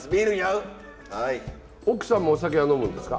奥さんもお酒は飲むんですか？